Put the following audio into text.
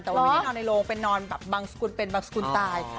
แต่ว่าไม่ได้นอนในโรงเป็นนอนแบบบางสกุลเป็นบางสกุลตาย